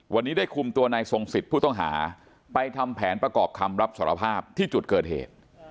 วันนี้ได้คุมตัวนายทรงสิทธิ์ผู้ต้องหาไปทำแผนประกอบคำรับสารภาพที่จุดเกิดเหตุ